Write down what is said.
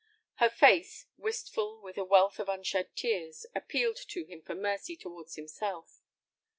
Her face, wistful with a wealth of unshed tears, appealed to him for mercy towards himself.